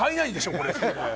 これ。